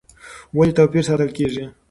ولې توپیر ساتل کېږي؟